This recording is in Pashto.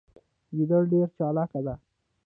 ګیدړه ډیره چالاکه ده